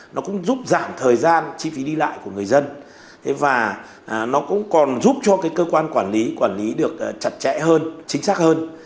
nó cũng giúp giảm thời gian chi phí đi lại của người dân và nó cũng còn giúp cho cái cơ quan quản lý quản lý được chặt chẽ hơn chính xác hơn